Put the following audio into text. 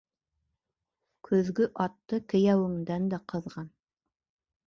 Көҙгө атты кейәүеңдән дә ҡыҙған.